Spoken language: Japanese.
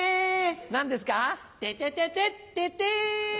何ですか？テテテテッテッテ！